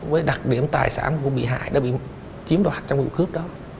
với đặc điểm tài sản cũng bị hại đã bị chiếm đoạt trong vụ khớp đó